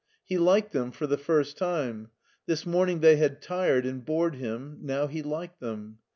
He liked them for the first time. This morning they had tired and bored him, now he liked them.